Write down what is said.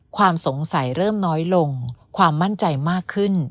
ความสงสัยเริ่มน้อยลงความมั่นใจมากขึ้น